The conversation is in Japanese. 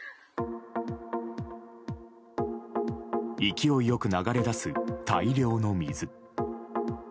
勢いよく流れ出す大量の水。